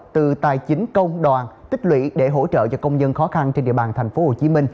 từ tài chính công đoàn tích lũy để hỗ trợ cho công nhân khó khăn trên địa bàn tp hcm